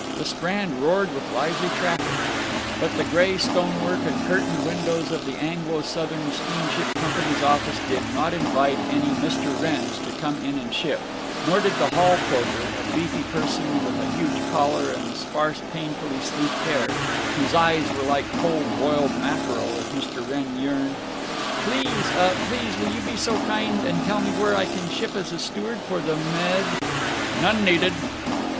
The Strand roared with lively traffic. But the gray stonework and curtained windows of the Anglo Southern Steamship Company's office did not invite any Mr. Wrenns to come in and ship, nor did the hall porter, a beefy person with a huge collar and sparse painfully sleek hair, whose eyes were like cold boiled mackerel as Mr. Wrenn yearned: "Please—uh—please will you be so kind and tell me where I can ship as a steward for the Med—" "None needed."